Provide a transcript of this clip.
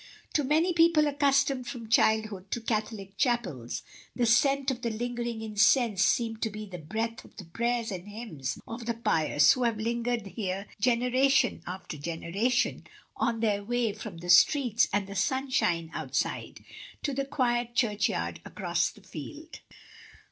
To people accustomed from childhood to Catholic chapels, the scent of the lingering incense seems to be the breath of the prayers and h)rmns of the pious who have lingered here generation after generation on their way from the streets and the sunshine out side, to the quiet churchyard across the field.